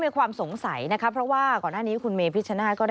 ยอมรับว่าการตรวจสอบเพียงเลขอยไม่สามารถทราบได้ว่าเป็นผลิตภัณฑ์ปลอม